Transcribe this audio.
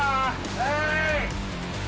・はい！